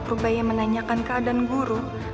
perbahaya menanyakan keadaan guru